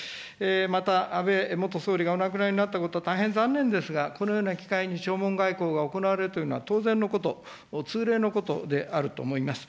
また、安倍元総理がお亡くなりなったことは大変、残念ですが、このような機会に弔問外交が行われるというのは当然のこと、通例のことであると思います。